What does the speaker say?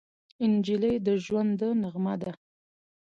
نجلۍ د ژونده نغمه ده.